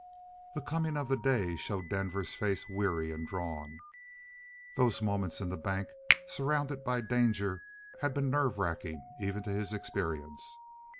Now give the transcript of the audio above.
The coming of the day showed Denver's face weary and drawn. Those moments in the bank, surrounded by danger, had been nerve racking even to his experience.